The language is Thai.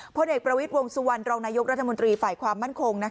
พลเอกประวิทย์วงสุวรรณรองนายกรัฐมนตรีฝ่ายความมั่นคง